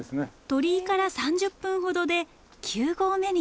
鳥居から３０分ほどで九合目に到着。